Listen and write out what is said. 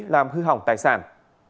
làm hư hỏng tài sản